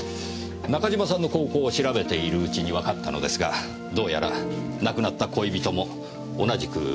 中島さんの高校を調べている内にわかったのですがどうやら亡くなった恋人も同じく教師だったようです。